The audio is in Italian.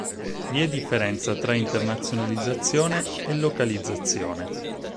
Vi è differenza tra internazionalizzazione e localizzazione.